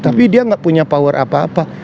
tapi dia nggak punya power apa apa